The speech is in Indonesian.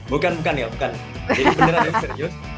bukan bukan ya bukan jadi beneran ya serius